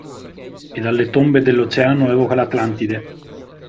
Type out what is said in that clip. E dalle tombe dell'Oceano evoca l'Atlantide.